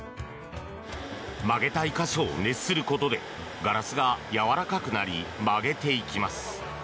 曲げたい箇所を熱することでガラスがやわらかくなり曲げていきます。